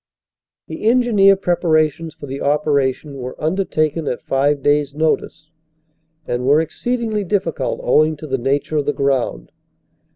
The engineer preparations for the operation were under taken at five days notice, and were exceedingly difficult owing to the nature of the ground.